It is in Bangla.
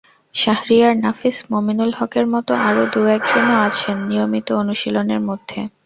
শাহরিয়ার নাফীস, মুমিনুল হকের মতো আরও দু-একজনও আছেন নিয়মিত অনুশীলনের মধ্যে।